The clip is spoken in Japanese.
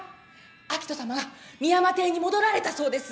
明人さまが深山邸に戻られたそうです。